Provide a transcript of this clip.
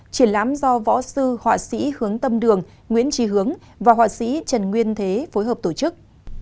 triển lãm do võ sư họa sĩ hướng tâm đường nguyễn trí hướng và họa sĩ trần nguyên thế phối hợp tổ chức